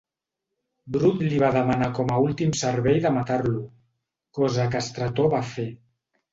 Brut li va demanar com a últim servei de matar-lo, cosa que Estrató va fer.